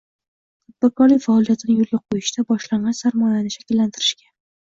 Tadbirkorlik faoliyatini yo‘lga qo‘yishda boshlang‘ich sarmoyani shakllantirishga